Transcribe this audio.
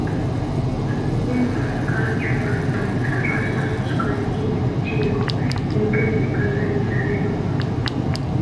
Erliebe malkartsu bat du, terraza askorekin, antzinako inken nekazaritzaren ondorioz.